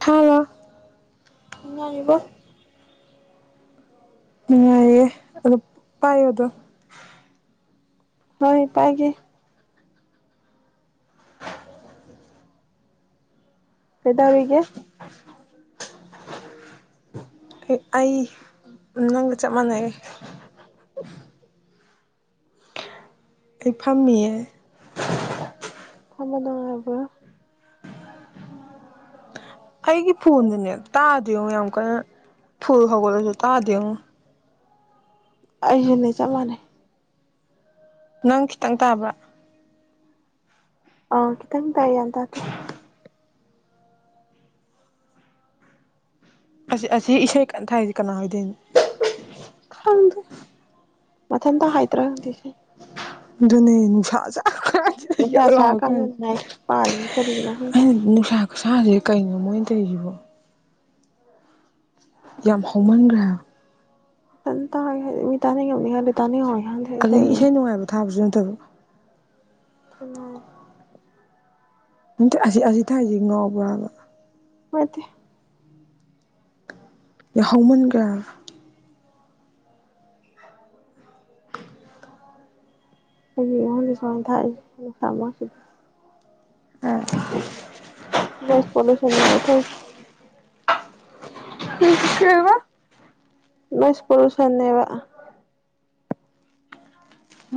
ꯊ ꯅꯨꯡꯉꯥꯏꯔꯤꯌꯦ ꯑꯗꯨ ꯄꯥꯏꯌꯣ ꯑꯗꯨꯝ ꯍꯣꯏ ꯄꯥꯏꯒꯦ [unintelligible] [unintelligible] ꯑꯩ ꯅꯪꯒ ꯆꯞ ꯃꯥꯟꯅꯩꯌꯦ ꯍꯍꯍꯍ ꯑꯩ ꯐꯥꯝꯃꯤꯌꯦ ꯐꯝꯕ ꯅꯨꯡꯉꯥꯏꯕ꯭ꯔ ꯑꯩꯒꯤ ꯐꯣꯟꯗꯨꯅꯦ ꯇꯥꯗꯦꯉꯣ ꯌꯥꯝ ꯀꯟꯅ ꯐꯨꯜ ꯍꯧꯒꯠꯂꯁꯨ ꯇꯥꯗꯦꯉꯣ ꯑꯩꯁꯨꯅꯦ ꯆꯞ ꯃꯥꯟꯅꯩ ꯅꯪ ꯈꯤꯇꯪ ꯇꯥꯕ꯭ꯔ ꯑ ꯈꯤꯇꯪ ꯇꯥꯏ ꯌꯥꯝ ꯇꯥꯗꯦ ꯑꯁꯤ ꯑꯁꯤ ꯏꯁꯩ ꯀꯟ ꯊꯥꯏꯁꯤ ꯀꯅꯥ ꯑꯣꯏꯗꯣꯏꯅꯣ ꯃꯊꯟꯇ ꯍꯥꯏꯗ꯭ꯔ ꯈꯪꯗꯦ ꯁꯦ ꯑꯗꯨꯅꯦ ꯅꯨꯡꯁꯥ ꯁꯥꯈꯔ꯭ ꯀꯟꯁꯤꯗ ꯌꯛ ꯂꯥꯎꯔꯀꯥꯟ ꯁꯤꯗ ꯑꯩꯅ ꯅꯨꯡꯁꯥ ꯈꯨꯁꯥꯁꯦ ꯀꯩꯅꯣ ꯃꯣꯏ ꯇꯧꯏꯁꯤꯕꯣ ꯌꯥꯝ ꯍꯧꯃꯟꯈ꯭ꯔꯦ ꯍꯥꯏꯕ ꯑ ꯇꯥꯏꯌꯦ ꯃꯤ ꯇꯥꯅꯤꯡꯉꯝꯅꯤ ꯈꯦꯗꯦ ꯇꯥꯅꯤꯡꯉꯝꯃꯣꯏ ꯑꯗꯒꯤ ꯏꯁꯩ ꯅꯨꯡꯉꯥꯏꯕ ꯊꯥꯕꯁꯨ ꯅꯠꯇꯕ [unintelligible] ꯅꯠꯇꯦ ꯑꯁꯤ ꯑꯁꯤ ꯊꯥꯏꯖꯦ ꯉꯥꯎꯕꯔꯣ ꯋꯥꯕ ꯋꯥꯗꯦ ꯌꯥꯍꯧꯃꯟꯒ꯭ꯔꯥꯡ ꯑ ꯍꯁ ꯊ ꯃꯖꯗ ꯁ ꯄꯣꯂꯨꯁꯟ ꯊ ꯎ ꯅ ꯏꯁ ꯄꯔꯨꯁꯅꯦꯕ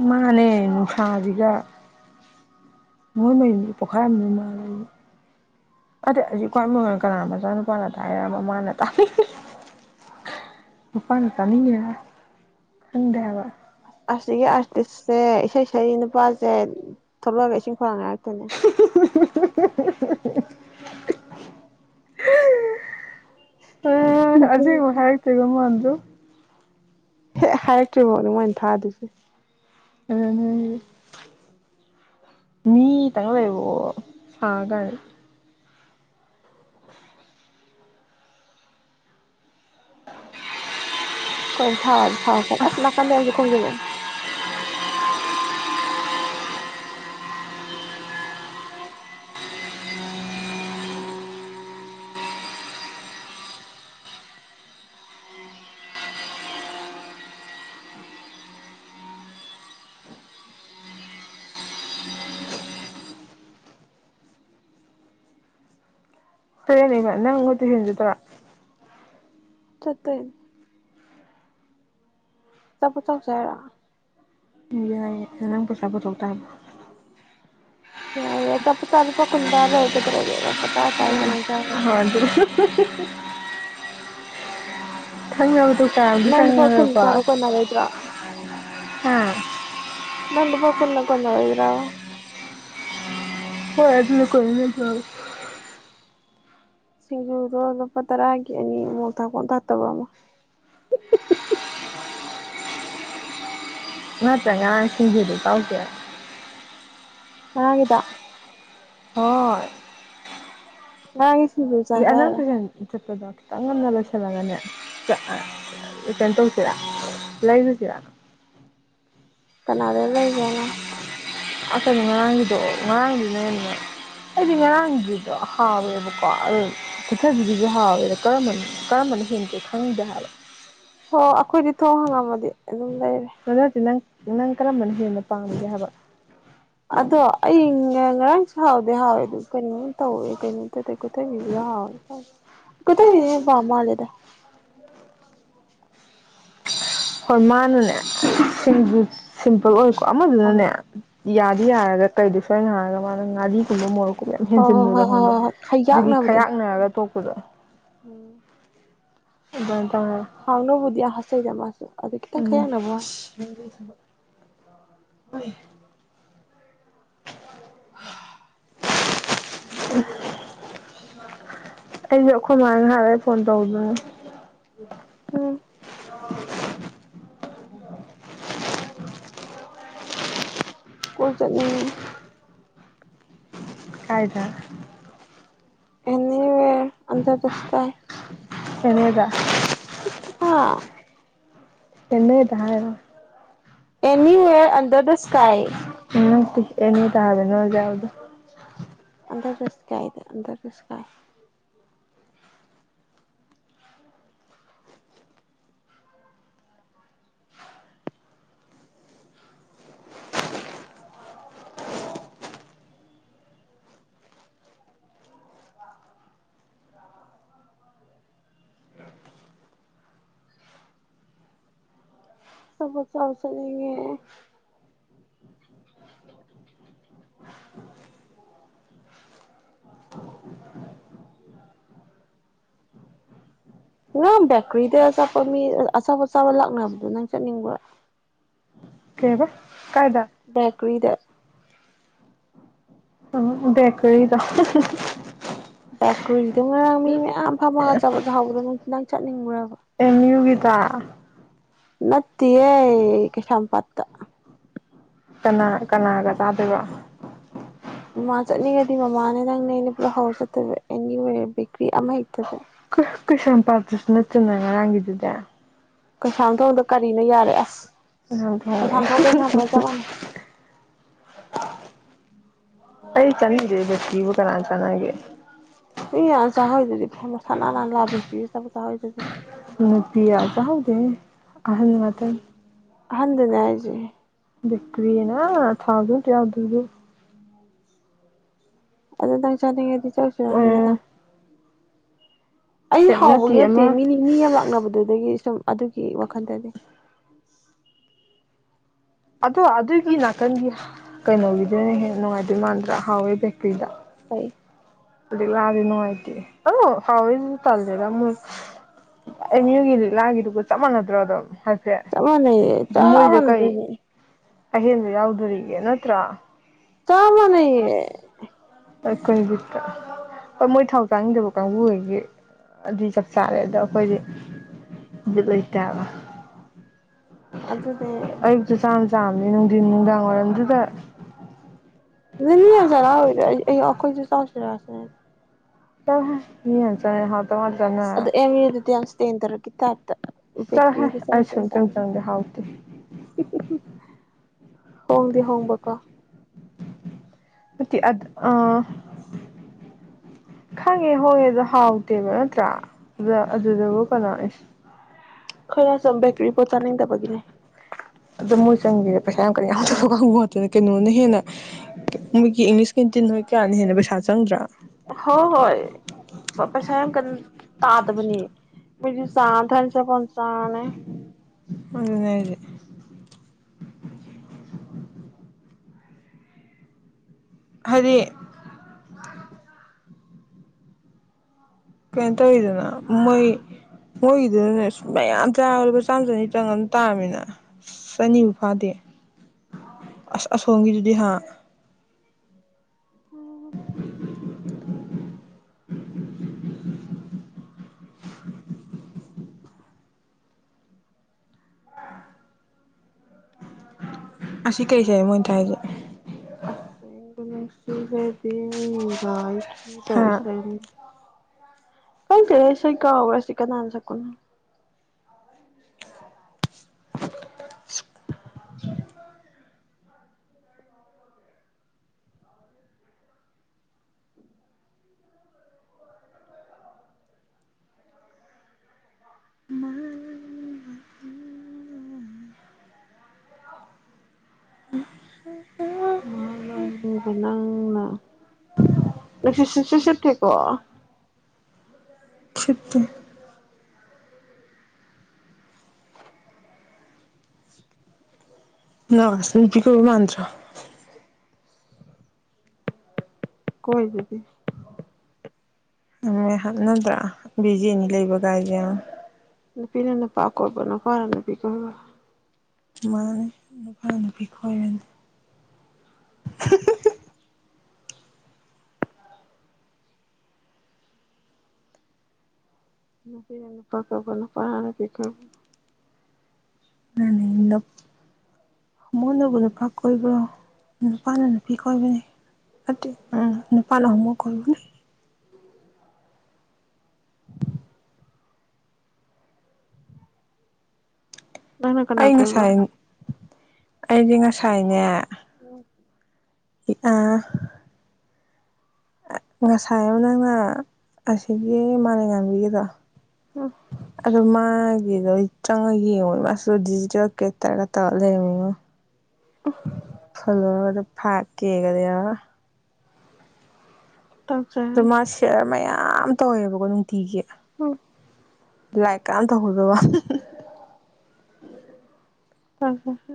ꯃꯥꯅꯦ ꯅꯨꯡꯁꯥꯁꯤꯒ ꯃꯣꯏ ꯃ ꯄꯣꯈꯥꯏꯔ ꯑꯃ ꯃꯥ ꯂꯩ ꯑꯗ ꯍꯧꯛ ꯀ꯭ꯋꯥ ꯃ ꯀꯅꯥꯃ ꯆꯥꯅꯄꯥꯣꯅꯗ ꯍꯥꯏꯌꯥꯝ ꯃ ꯃꯥꯅ ꯇꯥꯅ ꯑꯁꯤꯒꯤ ꯑꯥꯔꯇꯤꯁꯁꯦ ꯏꯁꯩ ꯁ ꯅꯨꯄꯥꯁꯦ ꯊꯣꯛꯂꯛꯑꯒ ꯏꯁꯤꯡ ꯈꯔꯥꯡ ꯉꯥꯏꯔꯛꯇꯣꯏꯅꯦ [inaudible] ꯑꯣ ꯑꯖꯤ ꯍꯥꯏ ꯋꯥꯟꯗꯣ [unintelligible] ꯍꯥꯏꯔꯛꯇ꯭ꯔꯤꯕꯧꯅꯤ [unintelligible] ꯎꯝꯍꯝ꯫ ꯃꯤ ꯇꯪꯂ [unintelligible] ꯐꯥꯒꯜ ꯀꯣꯏ ꯊꯥꯎ [unintelligible] ꯅꯥꯀꯟꯗꯩ ꯑꯝꯖꯨ ꯈꯣꯡꯖꯜꯂꯛꯑꯦ꯫ ꯁꯔꯦꯅꯤꯕ ꯅꯪ ꯍꯣ ꯇꯨꯁꯟ ꯆꯠꯇꯨꯔꯣ? ꯆꯠꯇꯨꯏꯟ꯫ ꯆꯥꯄꯣꯠ ꯆꯥꯎꯁꯦ ꯍꯥꯢꯔꯣ? ꯎꯝ ꯌꯥꯏ ꯌꯥꯏ ꯅꯪ ꯄꯩꯁꯥ ꯄꯨꯊꯣꯛ ꯇꯥꯕ꯫ ꯌꯥꯢꯌꯦ ꯑꯆꯥꯄꯣꯠ ꯆꯥꯄꯣꯠ ꯂꯨꯄꯥ ꯀꯨꯟ ꯄꯥꯢꯔ ꯂꯣꯢꯔꯦ ꯀꯩꯗꯧꯔꯒꯦ ꯑꯗꯣ ꯂꯨꯄꯥ ꯇꯔꯥ ꯇꯔꯥꯢ ꯀꯩꯅꯣꯝ ꯆꯥꯄꯣꯠ ꯂꯣꯢꯔꯦ꯫ ꯊꯪꯅꯕ ꯗꯨꯀꯥꯟ ꯑꯝꯗ ꯆꯪꯉꯨꯔꯕꯣ ꯍꯥ? ꯂꯨꯄꯥ ꯀꯨꯟꯅ ꯀꯣꯟꯅꯔꯣꯢꯗ꯭ꯔꯥꯕꯥ? ꯍꯣꯏ ꯑꯗꯨꯅ [unintelligible] ꯁꯤꯡꯖꯨꯗꯣ ꯂꯨꯄꯥ ꯇꯔꯥꯒꯤ ꯑꯅꯤ ꯃꯣꯔꯣꯛ ꯊꯥꯛꯄ ꯑꯃ ꯊꯥꯛꯇꯕ ꯑꯃ꯫ [unintelligible] ꯅꯠꯇ꯭ꯔ ꯉꯔꯥꯡ ꯁꯤꯖꯨꯗꯣ ꯆꯥꯎꯁꯤꯔꯥ? ꯉꯔꯥꯡꯒꯤꯗꯣ? ꯍꯣꯏ ꯉ ꯑꯅ ꯀ ꯆꯄꯗꯇ ꯈꯤꯇꯪ ꯉꯅ ꯂꯣꯏꯁꯤꯜꯂꯒꯅꯦ [unintelligible] [unintelligible] ꯀꯅꯥꯗ ꯂꯩꯒꯅ [unintelligible] ꯃꯔꯥꯡꯒꯤꯗꯣ ꯉꯔꯥꯡꯒꯤꯅꯦꯅꯦ ꯑꯩꯗꯤ ꯉꯔꯥꯡꯒꯤꯗꯣ ꯍꯥꯎꯋꯦꯕꯀꯣ ꯑ ꯆꯤꯊꯕꯤꯒꯤꯁꯨ ꯍꯥꯎꯋꯦꯗꯝꯕ ꯀꯔꯝꯕꯅ ꯍꯦꯟꯒꯦ ꯈꯪꯗꯦ ꯍꯥꯏꯕ [unintelligible] [unintelligible] ꯅꯪ ꯅꯪ ꯀꯔꯝꯕꯅ ꯍꯦꯟꯅ ꯄꯥꯝꯃꯤ [unintelligible] ꯍꯥꯏꯕ ꯑꯗꯣ ꯑꯩ ꯉꯔꯥꯡꯁꯨ ꯍꯥꯎꯗꯤ ꯍꯥꯎꯋꯦ ꯑꯗꯨ ꯀꯩꯅꯣꯝ ꯇꯧꯋꯦ ꯀꯩꯅꯣꯝ ꯇꯧꯗꯦ ꯀꯣꯊꯣꯏꯕꯤꯗꯨꯁꯨ ꯍꯥꯎꯋꯦ ꯀꯣꯊꯣꯏꯕꯤꯗ ꯍꯦ ꯄꯥꯝ ꯃꯥꯜꯂꯦꯗ ꯍꯣꯏ ꯃꯥꯅꯅꯦ ꯁꯤꯡꯁꯨ ꯁꯤꯝꯄꯜ ꯑꯣꯏꯀꯣ ꯑꯃꯗꯨꯅꯅꯦ ꯌꯥꯗꯤ ꯌꯥꯔꯒ ꯀꯩꯗꯤ ꯁꯣꯏꯅ ꯍꯥꯏꯔꯒ ꯃꯥꯅ [unintelligible] ꯃꯣꯔꯣꯛꯀꯥ ꯃꯌꯥꯝ ꯍꯦꯟꯖꯤꯟꯕꯗ ꯈꯪꯕꯔꯥ ꯑꯗꯨꯒꯤ ꯈꯔꯛꯅꯔꯒ ꯇꯣꯛꯄꯗꯣ ꯑꯗꯨ [unintelligible] ꯍꯥꯎꯅꯕꯨꯗꯤ ꯍꯄꯆꯩꯗ ꯃꯥꯁꯨ ꯑꯗꯨ ꯈꯤꯇꯪ ꯈꯌꯥꯛꯅꯕ ꯋꯥꯅꯤ [unintelligible] ꯑꯩꯁꯨ ꯑꯩꯈꯣꯏ ꯃꯥꯡ ꯍꯥꯏꯔꯦ ꯐꯣꯟ [unintelligible] ꯎꯝ ꯀꯣꯏ ꯆꯠꯅꯤꯡꯉꯦ꯫ ꯀꯥꯏꯗ ꯑꯦꯅꯤꯋꯥꯔ [unintelligible] ꯀꯅꯗ ꯀꯅꯗ ꯍꯥꯏ ꯍꯥꯏꯅ [unintelligible] ꯑꯦꯅꯤꯗ ꯍꯥꯏꯕꯅꯦ ꯍꯧꯖꯤꯛ ꯍꯥꯏꯕꯗꯣ [unintelligible] ꯑꯆꯥꯄꯣꯠ ꯆꯥ ꯆꯠꯅꯤꯡꯉꯦ꯫ ꯅꯪ ꯕꯦꯀꯔꯤꯗ ꯑꯆꯥꯄꯣꯠ ꯃꯤ ꯑꯆꯥꯄꯣꯠ ꯆꯥꯥꯕ ꯂꯥꯛꯅꯕꯗꯣ ꯅꯪ ꯆꯠꯅꯤꯡꯕ꯭ꯔꯥ ꯕꯥꯀꯔ꯭ꯤꯗ [unintelligible] ꯕꯥꯀꯔ꯭ꯤ ꯗ ꯕꯦꯀ꯭ꯔꯤꯗ ꯉꯔꯥꯡ ꯃꯤ ꯃꯌꯥꯝ ꯐꯝꯃꯒ ꯑꯆꯥꯄꯣꯠ ꯆꯥꯍꯧꯕꯗꯣ ꯅꯪ ꯅꯪ ꯆꯠꯅꯤꯡꯕꯔ꯭ꯕ ꯅꯠꯇꯤꯌꯦ ꯀꯩꯁꯥꯝꯄꯥꯠ [unintelligible] ꯀꯅꯥ ꯀꯅꯥꯒ ꯆꯥꯗꯣꯏꯕ ꯃꯥ ꯆꯠꯅꯤꯡꯉꯗꯤ ꯃꯃꯥꯅꯦ ꯅꯪꯅꯦ ꯑꯩꯅ ꯄꯨꯂꯞ ꯍꯧꯥꯔ ꯆꯠꯇꯨꯏꯕ [unintelligible] ꯀꯩꯁꯥꯝꯄꯥꯠ ꯇꯥꯁꯨ ꯅꯠꯇꯅ [unintelligible] [inaudible] ꯑꯩ ꯆꯅꯤꯡꯗꯦ [unintelligible] ꯀꯅꯅꯥ ꯆꯥꯅꯒꯦ ꯃꯤ ꯌꯥꯝ ꯆꯥꯍꯎꯏꯗꯨꯗꯤ ꯐꯝ ꯃꯁꯥ ꯅꯥꯟ ꯅꯥꯟꯅ ꯂꯥꯛꯑ ꯕꯦꯀ꯭ꯔꯤ ꯑꯆꯄꯣꯠ ꯆꯥꯍꯧꯏꯗꯨꯗꯤ ꯑꯦ ꯑꯍꯟ ꯉꯇꯅꯤ ꯑꯍꯟꯗꯨꯅꯦ ꯍꯥꯏꯖꯦ ꯕꯦꯛꯀꯔ꯭ꯤꯅ [unintelligible] ꯑꯗꯨ ꯅꯪ ꯆꯥꯅꯤꯡꯉꯥꯗꯤ ꯆꯎꯁꯤꯔꯥ ꯍꯡꯒꯦ ꯇꯧꯅꯦ ꯑꯩ ꯍꯥꯎꯕꯒꯤ ꯅꯠꯇꯦ ꯃꯤꯂꯤ ꯃꯤ ꯌꯝ ꯂꯥꯛꯅꯕꯗꯨꯗꯒꯤ ꯁꯨꯝ ꯑꯗꯨꯒꯤ ꯋꯥꯈꯟꯗꯅꯦ ꯑꯗꯣ ꯑꯗꯨꯒꯤ ꯅꯥꯀꯟꯒꯤ ꯀꯩꯅꯣꯒꯤꯗꯨꯅ ꯍꯦꯟꯅ ꯅꯨꯡꯉꯥꯏꯗꯣꯏ ꯃꯥꯟꯗ꯭ꯔꯥ ꯍꯥꯎꯋꯦ ꯕꯦꯀ꯭ꯔꯤꯗ [unintelligible] ꯂꯤꯛꯂꯥꯒꯤ ꯅꯨꯡꯉꯥꯏꯇꯦ ꯑꯗꯣ ꯍꯥꯎꯋꯦꯗꯨꯖꯨ ꯇꯜꯂꯦꯗ ꯑꯃꯨꯛ ꯑꯦꯝ ꯌꯨ ꯒꯤ ꯂꯤꯛꯂꯥꯒꯤꯗꯨꯒ ꯆꯞ ꯃꯥꯟꯅꯗ꯭ꯔ ꯑꯗꯨꯝ ꯍꯥꯏꯐꯦꯠ ꯃꯣꯏꯗ ꯀꯩ ꯑꯍꯦꯟꯕ ꯌꯥꯎꯗꯣꯔꯤꯒꯦ ꯅꯠꯇ꯭ꯔꯥ ꯆꯞꯃꯥꯟꯅꯩꯌꯦ ꯀꯩ ꯕꯤꯠꯇ ꯍꯣꯏ ꯃꯣꯏ ꯊꯥꯎ ꯆꯥꯅꯤꯡꯗꯕ ꯀꯥꯡꯕꯨꯒꯩꯒꯤ ꯑꯗꯨ ꯆꯞ ꯆꯥꯔꯦ ꯑꯗ ꯈꯣꯏꯗꯤ ꯕꯤꯠ ꯂꯩꯇꯦ ꯍꯥꯏꯕ [unintelligible] ꯑꯌꯨꯛꯇꯨ ꯆꯥꯝ ꯆꯥꯝꯅꯤ ꯅꯨꯡꯊꯤꯟ ꯅꯨꯡꯗꯥꯡ ꯋꯥꯏꯔꯝꯗꯨꯗ [unintelligible] ꯑꯩ ꯑꯩꯈꯣꯏꯁꯨ ꯆꯥꯎꯁꯤꯔꯥ ꯁꯤꯅꯤ ꯆꯠꯂꯣꯍꯦ ꯃꯤ ꯌꯝ [unintelligible] ꯑꯁ ꯑꯗ ꯑꯦꯝ ꯌꯨ ꯗꯨꯗꯤ ꯌꯥꯝ ꯏꯁꯇꯦꯟꯗꯔꯀꯤ ꯇꯥꯏꯞꯇ ꯕꯦꯀ꯭ꯔꯤꯗ ꯆꯅꯩ ꯍꯣꯡꯗꯤ ꯍꯣꯡꯕꯀꯣ ꯅꯠꯇꯦ ꯑꯗ ꯑꯥ ꯈꯪꯉꯦ ꯍꯣꯏ ꯑꯗꯣ ꯍꯥꯎꯇꯦꯕ ꯅꯠꯇ꯭ꯔ [unintelligible] ꯎꯝ ꯈꯔ ꯕꯦꯀ꯭ꯔꯤ ꯄꯣꯠ ꯆꯅꯤꯡꯗꯕꯒꯤꯅꯦ ꯑꯗ ꯃꯣꯏ ꯆꯪꯉꯤ ꯄꯩꯁꯥ ꯌꯥꯝ ꯀꯟꯅ ꯌꯥꯎꯗꯕ ꯀꯥꯡꯕꯨ ꯉꯥꯛꯇꯅꯦ ꯀꯩꯅꯣꯅ ꯍꯦꯟꯅ ꯍꯣꯏ ꯍꯣꯏ ꯄꯩꯁꯥ ꯌꯥꯝ ꯀꯟ ꯇꯥꯗꯕꯅꯦ ꯃꯣꯏꯖꯨ ꯆꯥ ꯑꯝ ꯊꯛꯑꯅꯤ ꯆꯥꯄꯣꯠ ꯑꯝ ꯆꯔꯥꯅꯤ ꯑꯗꯨꯅꯦ ꯍꯥꯏꯖꯦ ꯍꯥꯏꯗꯤ ꯀ ꯇ ꯑꯣꯏꯣꯏꯗꯅ ꯃꯣꯏ ꯃꯣꯏꯒꯤꯗꯨꯅꯅꯦ ꯃꯌꯥꯝ ꯆꯥꯔ ꯂꯨꯄꯥ ꯆꯥꯝꯃ ꯆꯅꯤ ꯆꯪꯉ ꯇꯥꯔꯃꯤꯅ ꯆꯅꯤꯕꯨꯨ ꯐꯥꯗꯦ ꯑꯁ ꯑꯁꯣꯝꯒꯤꯗꯨꯗꯤ ꯍꯥ [inaudible] ꯑꯁꯁꯤꯕꯥꯗ ꯔ ꯇꯁꯔꯤ ꯀꯥꯏ ꯀꯁꯦ ꯀꯣꯕꯁ ꯆ ꯀꯅꯥꯟ ꯆꯀꯅ [inaudible] ꯃꯔ ꯎꯝ ꯃꯥ ꯅꯪ ꯅꯪꯅ ꯅꯪꯁ ꯊꯦꯀꯣ ꯐꯛꯇ ꯅ ꯁꯤꯜꯄꯤ ꯀꯧꯕꯕꯨ ꯃꯟꯇ꯭ꯔ ꯀꯣꯏꯗꯤ ꯃꯦ ꯍꯥꯞ ꯅꯗ꯭ꯔꯥ ꯕꯤꯖꯤꯦꯅꯤ ꯂꯩꯕꯒꯥꯏꯗ ꯌꯥꯌꯥ ꯅꯨꯄꯤꯅ ꯅꯨꯄꯥ ꯀꯧꯕ ꯅꯄꯥꯔ ꯅꯨꯄꯤ ꯀ ꯃꯥꯅꯦ ꯑ ꯅꯨꯨꯄꯤ ꯈꯣꯏꯔꯅꯤ ꯅꯅ ꯄ ꯀꯒꯅ ꯄꯅ ꯄꯤ ꯀꯕꯨ ꯅ ꯅ ꯍꯣꯏ ꯅꯕꯨ ꯅꯨꯄꯥ ꯀ ꯅꯨꯄ ꯅ ꯅꯨꯄꯤ ꯀ ꯅ ꯀ ꯎ ꯅꯨꯄꯜꯣ ꯍꯣꯏ ꯅ ꯑꯩ ꯉꯁꯥꯏ ꯑꯩꯗꯤ ꯉꯁꯥꯏꯅꯦ ꯑ ꯉꯁꯥꯏ ꯑꯃ ꯅꯪꯅ ꯑꯁꯤꯒꯤ ꯃꯥꯅ ꯉꯥꯡꯕꯤꯈꯤꯕꯗꯣ ꯑ ꯃꯥꯒꯤꯗꯣ ꯆꯪꯉꯒ ꯌꯦꯡꯉꯣ ꯃꯥ ꯀꯦ ꯇꯔ ꯇꯗꯣ [inaudible] ꯍꯜꯂꯣꯗ ꯐ ꯀꯦ ꯀꯗ ꯑꯗ ꯃꯥ ꯁꯤꯌꯥꯔ ꯃꯌꯥꯝ ꯇꯧꯋꯦꯕꯀꯣ ꯅꯨꯡꯇꯤꯒꯤ ꯂꯥꯏꯛ ꯀ ꯇꯧꯍꯧꯗꯕ ꯑ ꯍ ꯍ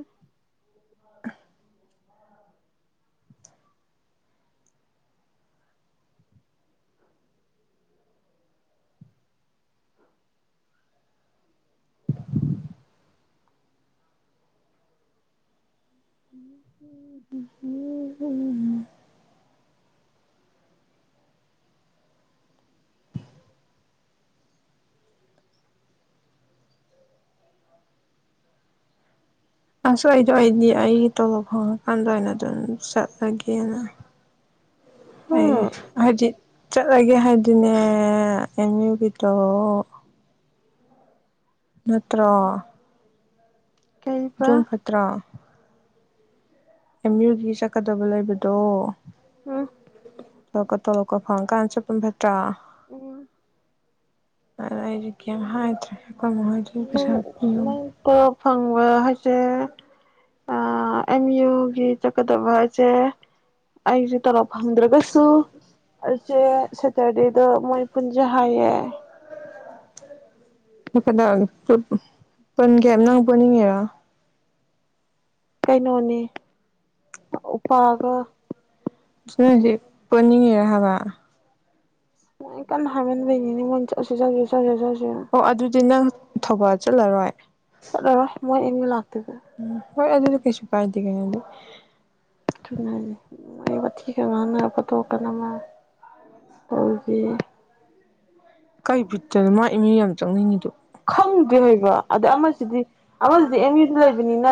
ꯎꯝ ꯎꯝ ꯑꯁ ꯑꯩꯗꯣ ꯑꯩꯗꯤ ꯑꯩꯒꯤ ꯇꯣꯂꯣꯞ ꯐꯣꯡꯉꯀꯥꯟꯗ ꯑꯣꯏꯅ ꯑꯗꯨꯝ ꯆꯠꯂꯒꯦꯅ ꯑꯩ ꯍꯥꯏꯗꯤ ꯆꯠꯂꯒꯦ ꯍꯥꯏꯗꯨꯅꯦ ꯑꯦꯝ ꯌꯨꯒꯤꯗꯣ ꯅꯠꯇ꯭ꯔꯣ ꯖꯣꯟ ꯈꯠꯇ꯭ꯔꯥ ꯑꯦꯝ ꯌꯒꯤ ꯆꯛꯀꯗꯕ ꯂꯩꯕꯗ ꯇꯣ ꯂ ꯇ ꯂ ꯐ ꯀ [unintelligible] ꯐꯠꯇ꯭ꯔꯥ ꯎꯝ ꯑꯗꯣ ꯑꯩꯗꯤ ꯀꯌ꯭ꯨꯝ ꯍꯥꯏꯗꯔ꯭ꯦ ꯅꯪ ꯇꯣ ꯐꯪꯕꯔꯥ ꯆꯦ ꯑꯦꯝ ꯌꯨꯒꯤ ꯑꯩꯁꯦ ꯀꯩꯗꯩꯔꯥꯒꯦ ꯄꯨꯟꯒꯦ ꯅꯪ ꯄꯨꯟꯅꯤꯡꯉꯤꯔꯣ ꯀꯩ ꯍꯧꯖꯤꯛ ꯄꯨꯅꯤꯉꯤꯔꯣ ꯍꯥꯏꯕ ꯃꯣꯏ ꯀꯥꯟ ꯍꯥꯏꯃꯦꯟꯕꯩ ꯅꯤꯅꯦ ꯃꯣꯏꯅ ꯆꯠꯂꯁꯤ ꯆꯠꯁꯤ ꯆꯠꯁꯤ ꯆꯠꯁꯤ ꯆꯠꯁꯤ ꯑꯣ ꯑꯗꯨꯗꯤ ꯅꯪ ꯊꯧꯕꯥꯜ ꯆꯠꯂꯔꯣꯏ ꯎꯝ ꯍꯣꯏ ꯑꯗꯨꯗꯤ ꯀꯩꯁꯨ ꯀꯥꯏꯗꯦ ꯀꯩꯅꯣꯗꯤ ꯊꯨꯅꯥ ꯍꯂꯦ ꯃꯣꯏ ꯋ꯭ꯥꯊꯤ ꯈꯔꯥ ꯉꯪꯅꯔꯒ ꯐꯣꯇꯣ ꯈꯔꯥ ꯅꯝꯃꯒ [unintelligible] ꯈꯪꯗꯦ ꯍꯥꯏꯕ ꯑꯃꯁꯤꯗꯤ ꯑꯃꯁꯤꯗꯤ ꯑꯦꯝ ꯌꯨꯗ ꯂꯩꯕꯅꯤꯅ